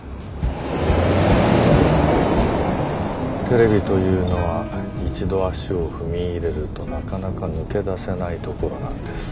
テレビというのは一度足を踏み入れるとなかなか抜け出せないところなんです。